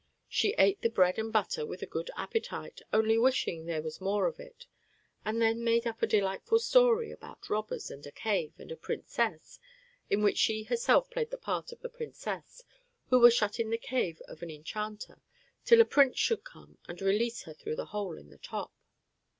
She ate the bread and butter with a good appetite, only wishing there was more of it, and then made up a delightful story about robbers and a cave and a princess, in which she herself played the part of the princess, who was shut in the cave of an enchanter till a prince should come and release her through a hole in the top.